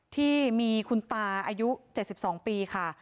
ที่มีคุณตาอายุ๗๒ปีค่ะ